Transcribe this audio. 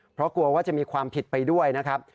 เพราะกลัวว่าจะมีความผิดไปด้วยนะครับ